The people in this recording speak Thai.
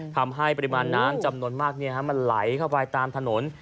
ทำให้ปริมาณน้ำจำนวนมากมันไหลเข้าไปตามถนน